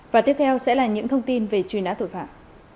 và tiếp theo sẽ là những thông tin về truy nã tội phạm